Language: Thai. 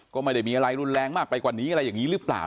ก็ไม่ได้มีอะไรรุนแรงมากไปกว่านี้อะไรอย่างนี้หรือเปล่า